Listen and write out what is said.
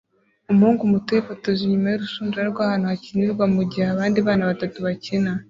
Umuhungu muto yifotoje inyuma y'urushundura rw'ahantu hakinirwa mugihe abandi bana batatu bakina